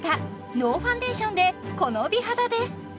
ノーファンデーションでこの美肌です